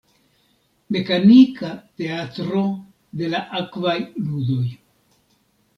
Mekanika teatro de la Akvaj Ludoj.